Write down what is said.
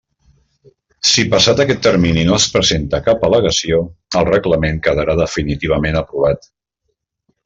Si passat aquest termini no es presenta cap al·legació, el reglament quedarà definitivament aprovat.